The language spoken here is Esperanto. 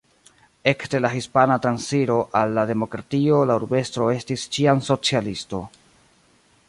Ekde la Hispana Transiro al la Demokratio la urbestro estis ĉiam socialisto.